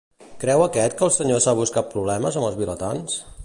Creu aquest que el senyor s'ha buscat problemes amb els vilatans?